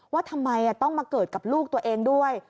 ว่าทำไมต้องมาเกิดกับลูกตัวเองด้วย